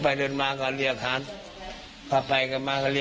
แผ่นน้าก็ลองให้